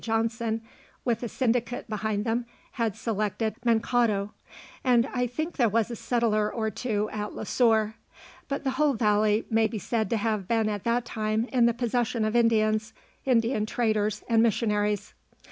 Johnson, with a syndicate behind them, had selected Mankato, and I think there was a settler or two at Le Sueur, but the whole valley may be said to have been at that time in the possession of Indians, Indian traders and missionaries.